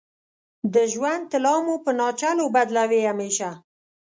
د ژوند طلا مو په ناچلو بدلوې همیشه